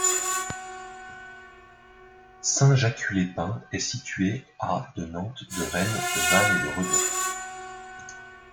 Saint-Jacut-les-Pins est située à de Nantes, de Rennes, de Vannes et de Redon.